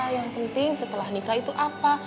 yang penting setelah nikah itu apa